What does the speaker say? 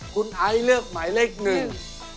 คุณไอซ์เลือกหมายเลขหนึ่ง